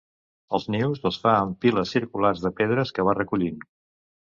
Els nius els fa en piles circulars de pedres que va recollint.